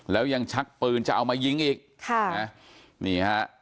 แล้วยังชักปืนจะเอามายิงอีกค่ะนะนี่ฮะ